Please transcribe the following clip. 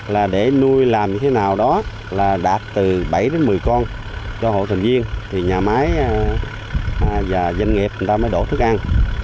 là để nuôi làm như thế nào đó là đạt từ bảy đến một mươi con cho hộ thành viên thì nhà máy và doanh nghiệp người ta mới đổ thức ăn